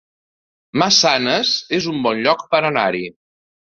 Massanes es un bon lloc per anar-hi